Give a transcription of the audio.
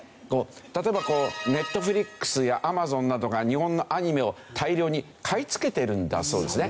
例えばこうＮｅｔｆｌｉｘやＡｍａｚｏｎなどが日本のアニメを大量に買い付けてるんだそうですね。